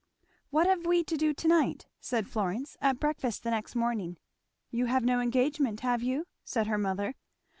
"What have we to do to night?" said Florence at breakfast the next morning. "You have no engagement, have you?" said her mother.